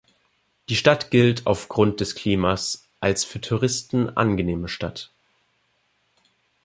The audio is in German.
Die Stadt gilt aufgrund des Klimas als für Touristen angenehme Stadt.